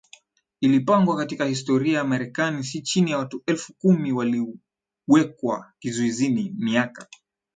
ilipangwa katika historia ya Marekani si chini ya watu elfu kumi waliwekwa kizuizini miaka